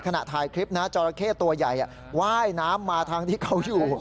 ขณะถ่ายคลิปนะจราเข้ตัวใหญ่ว่ายน้ำมาทางที่เขาอยู่